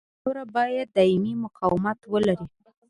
خاوره باید دایمي مقاومت ولري